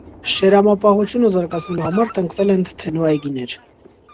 Շերամապահությունը զարգացնելու համար տնկվել են թթենու այգիներ։